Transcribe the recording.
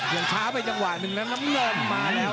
ยังช้าไปจังหวะหนึ่งแล้วน้ำเงินมาแล้ว